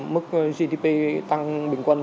mức gdp tăng bình quân